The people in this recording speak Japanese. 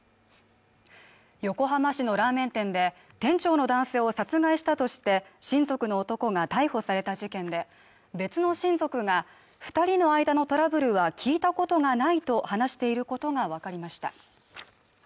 横浜市のラーメン店で店長の男性を殺害したとして親族の男が逮捕された事件で別の親族が二人の間のトラブルは聞いたことがないと話していることが分かりました